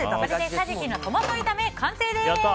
カジキのトマト炒めの完成です。